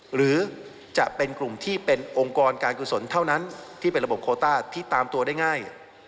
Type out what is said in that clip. หรือจะเป็นกลุ่มที่เป็นองค์กรการกุศลเท่านั้นที่เป็นระบบโคต้าที่ตามตัวได้ง่าย